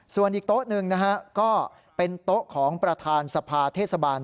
ส่วนอีกโต๊ะหนึ่งนะฮะก็เป็นโต๊ะของประธานสภาเทศบาล